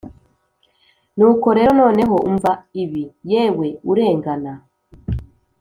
Nuko rero noneho umva ibi yewe urengana